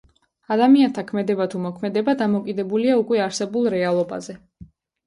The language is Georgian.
ადამიანთა ქმედება თუ მოქმედება, დამოკიდებულია უკვე არსებულ რეალობაზე.